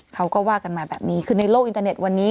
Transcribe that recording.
เขาก็ว่ากันมาแบบนี้คือในโลกอินเทอร์เน็ตวันนี้